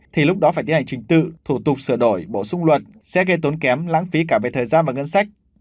thì lúc đó phải tiến hành trình tự thủ tục sửa đổi bổ sung luật sẽ gây tốn kém lãng phí cả về thời gian và ngân sách